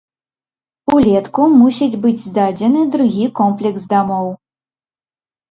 Улетку мусіць быць здадзены другі комплекс дамоў.